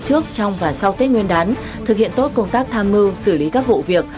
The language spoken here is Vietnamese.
trước trong và sau tết nguyên đán thực hiện tốt công tác tham mưu xử lý các vụ việc